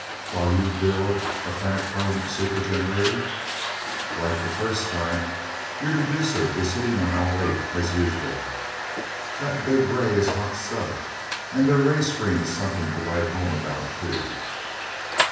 "While you build a Fenachrone super generator?" "Right, the first time. Your deducer is hitting on all eight, as usual. That big ray is hot stuff, and their ray screen is something to write home about, too."